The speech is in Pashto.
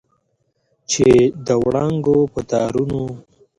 چې د وړانګو په تارونو